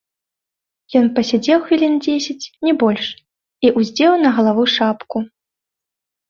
Ён пасядзеў хвілін дзесяць, не больш, і ўздзеў на галаву шапку.